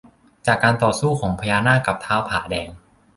จากการต่อสู้ของพญานาคกับท้าวผาแดง